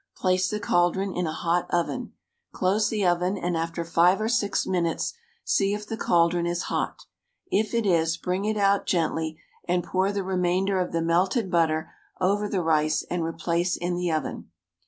Place the caldron in a hot oven. Close the oven and after five or six minutes see if the caldron is hot; if it is, bring it out gently and pour the remainder of the melted butter over the rice and replace in the oven.